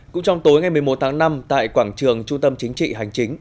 cũng trong tối ngày một mươi một tháng năm tại quảng trường trung tâm chính trị hành chính